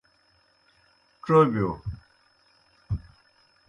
ڇوبِیو۔